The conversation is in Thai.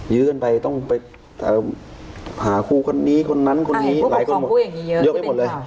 ยื้อกันไปต้องไปหาครูคนนี้คนนั้นคนนี้หลายคนบอกเยอะไปหมดเลย